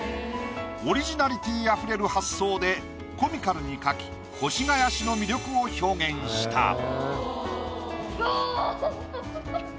オリジナリティーあふれる発想でコミカルに描き越谷市の魅力を表現した。